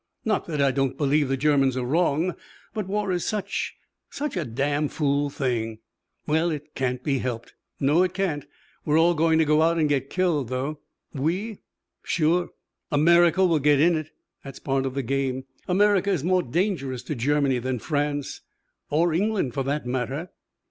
"Not that I don't believe the Germans are wrong. But war is such such a damn fool thing." "Well, it can't be helped." "No, it can't. We're all going to go out and get killed, though." "We?" "Sure. America will get in it. That's part of the game. America is more dangerous to Germany than France or England, for that matter."